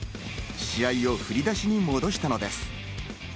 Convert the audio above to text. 試合を振り出しに戻したのです。